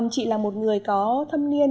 chị là một người có thâm niên